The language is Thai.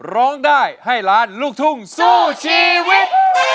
ร้องได้ให้ล้านลูกทุ่งสู้ชีวิต